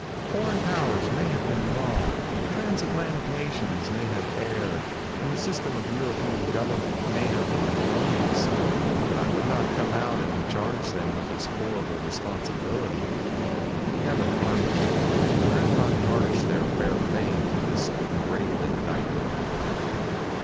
Foreign powers may have been wrong; trans Atlantic nations may have erred, and the system of European government may have been erroneous, but I would not come out and charge them with this horrible responsibility. They never harmed me, and I will not tarnish their fair fame with this grave indictment.